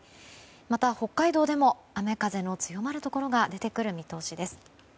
また、北海道でも雨風の強まるところが出てくる見通しです。